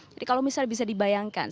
jadi kalau misalnya bisa dibayangkan